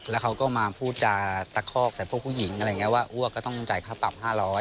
แล้วเขาก็มาพูดจ๋าตะคอกใส่พวกผู้หญิงว่าอ้วกก็ต้องจ่ายค่าปรับ๕๐๐